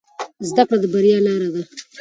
زده کړه د بریا لاره ده